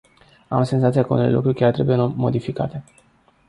Am senzația că unele lucruri chiar trebuie modificate.